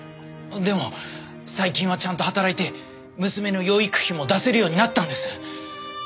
でも最近はちゃんと働いて娘の養育費も出せるようになったんです。